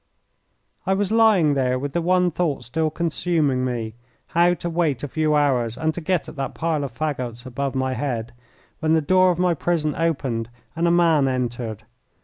I was lying there with the one thought still consuming me, how to wait a few hours and to get at that pile of fagots above my head, when the door of my prison opened and a man entered.